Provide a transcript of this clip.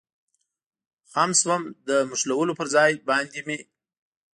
خم شوم، د نښلولو پر ځای باندې مې.